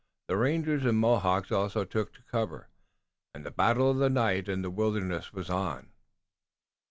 The rangers and Mohawks also took to cover, and the battle of the night and the wilderness was on.